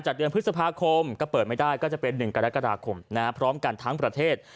เดือนพฤษภาคมก็เปิดไม่ได้ก็จะเป็น๑กรกฎาคมพร้อมกันทั้งประเทศ